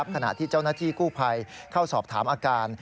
ขณะที่เจ้าหน้าที่กู้ภัยเข้าสอบถามอาการ